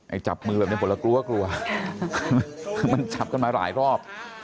ไอ้จับมือแบบนี้หมดแล้วกลัวมันจับกันมาหลายรอบ